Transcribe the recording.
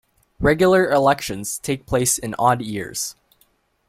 Regular elections take place in odd years.